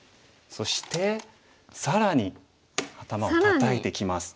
そして更に頭をタタいてきます。